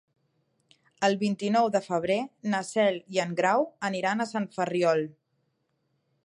El vint-i-nou de febrer na Cel i en Grau aniran a Sant Ferriol.